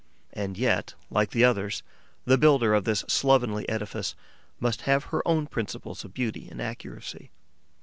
And yet, like the others, the builder of this slovenly edifice must have her own principles of beauty and accuracy.